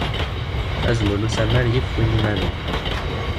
Azemmur n usammar yif win n umalu.